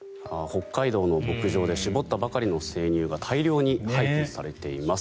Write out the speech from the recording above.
北海道の牧場で搾ったばかりの生乳が大量に廃棄されています。